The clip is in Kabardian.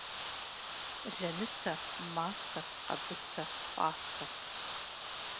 Лэныстэ, мастэ, къэбыстэ, пӏастэ.